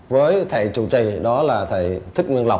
với thầy trụ trì đó là thầy thích nguyên lọc